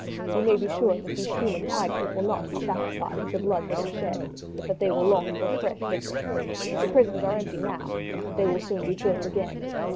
You may be sure that these human tigers will not be satisfied with the blood they have shed, but that they will long for fresh victims. The prisons are empty now, but they will soon be filled again.